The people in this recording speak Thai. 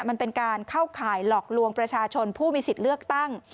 มันเป็นการเข้าข่ายหลอกลวงประชาชนผู้มีสิทธิ์เลือกตั้ง